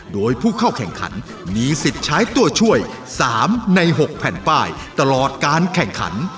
โดยผู้เข้าแข่งขันมีสิทธิ์ใช้ตัวช่วย๓ใน๖แผ่นป้ายตลอดการแข่งขัน